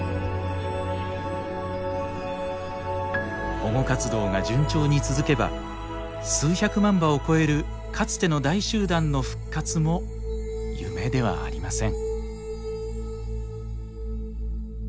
保護活動が順調に続けば数百万羽を超えるかつての大集団の復活も夢ではありません。